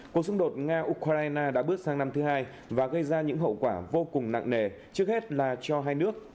cuộc xung đột nga ukraine đã bước sang năm thứ hai và gây ra những hậu quả vô cùng nặng nề trước hết là cho hai nước